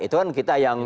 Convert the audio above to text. itu kan kita yang